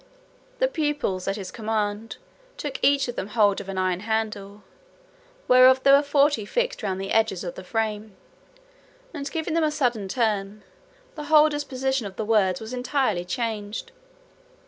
The pupils, at his command, took each of them hold of an iron handle, whereof there were forty fixed round the edges of the frame; and giving them a sudden turn, the whole disposition of the words was entirely changed.